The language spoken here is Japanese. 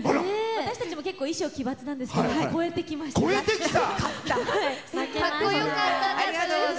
私たちも結構衣装奇抜なんですけどかっこよかったです！